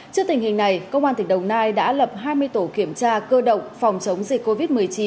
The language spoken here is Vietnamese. trước tình hình này công an tỉnh đồng nai đã lập hai mươi tổ kiểm tra cơ động phòng chống dịch covid một mươi chín